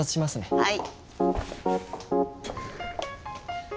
はい。